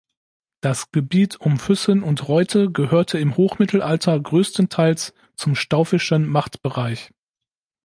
Das Gebiet um Füssen und Reutte gehörte im Hochmittelalter größtenteils zum staufischen Machtbereich.